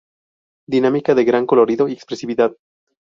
Dinámica de gran colorido y expresividad.